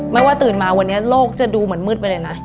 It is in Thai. ไม่ว่าตื่นมาวันนี้โลกจะดูเหมือนมืดไปเลยนะ